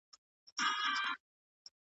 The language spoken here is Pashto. دا ایمل ایمل ایمل پلرونه ,